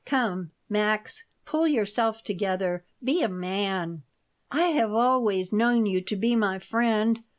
"Come, Max, pull yourself together! Be a man!" "I have always known you to be my friend.